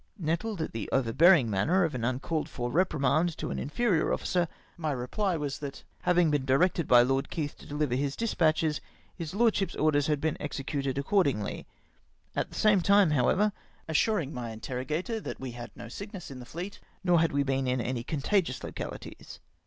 Nettled at the over bearing manner of an uncalled for reprimand to an inferior officer, my reply was that, liavhig been directed by Lord Keith to dehver his despatches, his lordship's orders had been executed accordhigly ; at the same tune, however, assuring my interrogator that we had no sickness in the fleet, nor had we been in any contagious locahties.